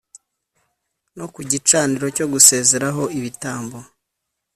No ku gicaniro cyo koserezaho ibitambo